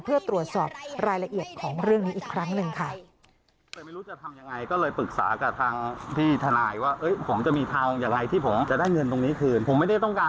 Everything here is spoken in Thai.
เพื่อตรวจสอบรายละเอียดของเรื่องนี้อีกครั้งหนึ่งค่ะ